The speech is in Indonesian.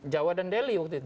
jawa dan deli waktu itu